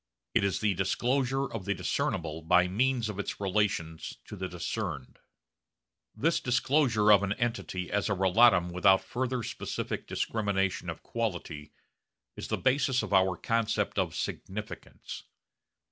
It is the disclosure of the discernible by means of its relations to the discerned. This disclosure of an entity as a relatum without further specific discrimination of quality is the basis of our concept of significance.